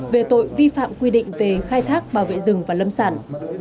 về tội vi phạm quy định về khai thác bảo vệ rừng và lâm sản